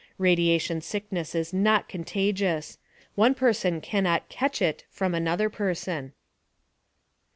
Radiation sickness is not contagious; one person cannot "catch it" from another person.